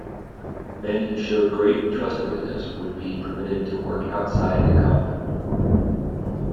Men who showed great trustworthiness would be permitted to work outside the compound.